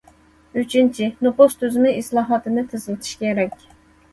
ئۈچىنچى، نوپۇس تۈزۈمى ئىسلاھاتىنى تېزلىتىش كېرەك.